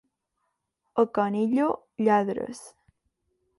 A Canillo, lladres.